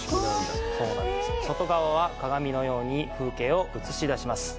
外側は鏡のように風景を映し出します。